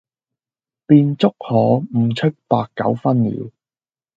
便足可悟出八九分了。